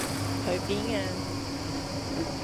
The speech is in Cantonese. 去邊啊？